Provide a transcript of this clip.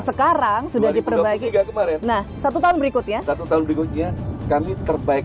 sekarang sudah diperbaiki kemarin nah satu tahun berikutnya satu tahun berikutnya kami terbaik